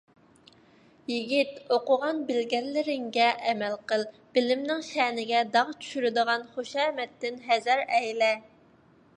يىگىت، ئوقۇغان - بىلگەنلىرىڭگە ئەمەل قىل، بىلىمنىڭ شەنىگە داغ چۈشۈرىدىغان خۇشامەتتىن ھەزەر ئەيلە!